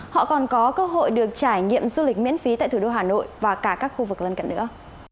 họ còn có cơ hội được trải nghiệm du lịch miễn phí tại thủ đô hà nội và cả các khu vực lân cận nữa